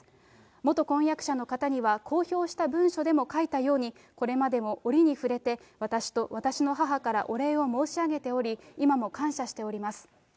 元婚約者の方には公表した文書でも書いたように、これまでも折に触れて、私と私の母からお礼を申し上げており、今も感謝しております。